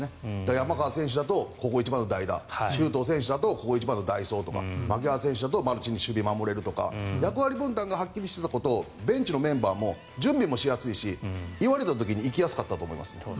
山川選手だとここ一番の代打周東選手だとここ一番の代走とか牧原選手だとマルチに守備を守れるとか役割分担がはっきりしているとベンチのメンバーも準備もしやすいし言われた時に行きやすかったと思います。